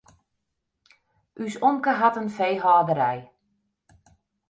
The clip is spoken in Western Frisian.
Us omke hat in feehâlderij.